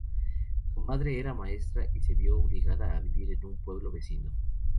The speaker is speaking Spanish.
Su madre era maestra y se vio obligada a vivir en un pueblo vecino.